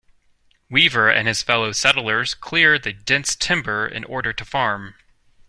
Weaver and his fellow settlers cleared the dense timber in order to farm.